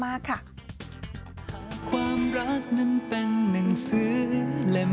ความรักนั้นเป็นหนังสือเล่ม